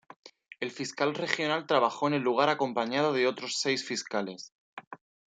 El fiscal regional trabajó en el lugar acompañado de otros seis fiscales.